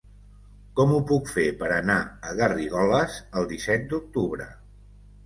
Com ho puc fer per anar a Garrigoles el disset d'octubre?